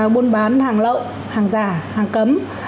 buôn bán hàng lậu hàng giả hàng cấm